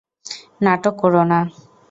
নাটক কোরো না।